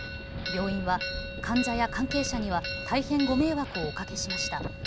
病院は患者や関係者には大変ご迷惑をおかけしました。